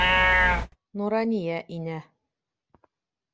Нурания инә.